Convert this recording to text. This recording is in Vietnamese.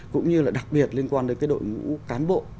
cũng như là đặc biệt liên quan đến cái đội ngũ cán bộ